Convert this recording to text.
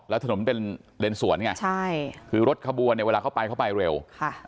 แล้วถนนเป็นเลนสวนไงใช่คือรถขบวนเนี่ยเวลาเข้าไปเขาไปเร็วค่ะ